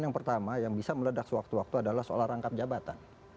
yang pertama yang bisa meledak sewaktu waktu adalah soal rangkap jabatan